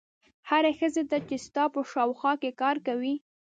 هرې ښځې ته چې ستا په شاوخوا کې کار کوي.